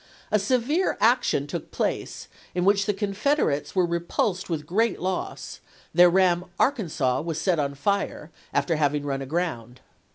A severe action took place in which the Confederates were repulsed with great loss ; their ram Arkansas was set on fire, after having run aground.